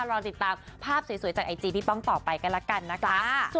รอติดตามภาพสวยจากไอจีพี่ป้องต่อไปกันแล้วกันนะคะ